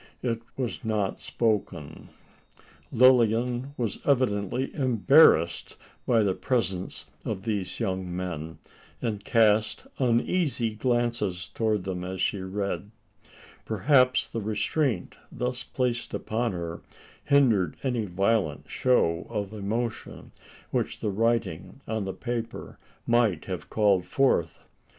It was not spoken. Lilian was evidently embarrassed by the presence of these young men; and cast uneasy glances towards them as she read. Perhaps the restraint thus placed upon her hindered any violent show of emotion, which the writing on the paper might have called forth.